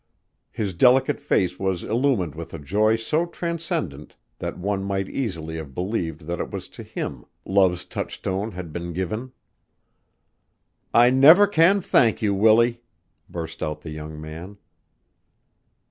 His delicate face was illumined with a joy so transcendent that one might easily have believed that it was to him love's touchstone had been given. "I never can thank you, Willie!" burst out the young man.